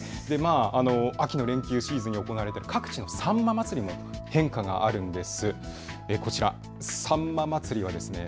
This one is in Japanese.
秋の連休シーズンに行われている各地のサンマ祭りにも変化があるんです。